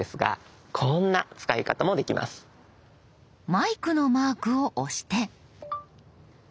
マイクのマークを押して。